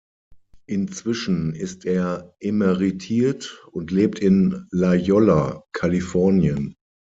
Inzwischen ist er emeritiert und lebt in La Jolla, Kalifornien.